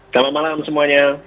selamat malam semuanya